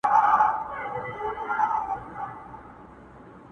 دې میدان کي د چا نه دی پوروړی؛